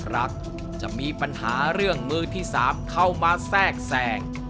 รักจะมีปัญหาเรื่องมือที่๓เข้ามาแทรกแสง